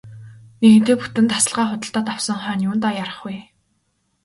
Нэгэнтээ бүтэн тасалгаа худалдаад авсан хойно юундаа яарах вэ.